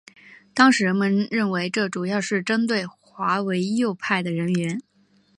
当时人们认为这主要是针对划为右派的人员。